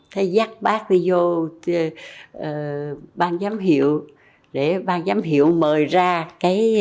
thế dắt bác đi vô bang giám hiệu để bang giám hiệu mời ra cái bụt này bác đã đứng đây một đống kẹo